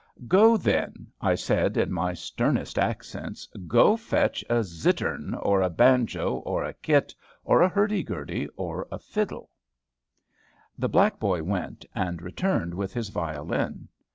"Go, then," I said in my sternest accents, "go fetch a zittern, or a banjo, or a kit, or a hurdy gurdy, or a fiddle." The black boy went, and returned with his violin.